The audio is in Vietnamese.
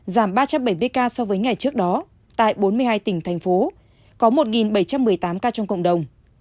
giảm ba trăm bảy mươi ca so với ngày trước đó tại bốn mươi hai tỉnh thành phố có một bảy trăm một mươi tám ca trong cộng đồng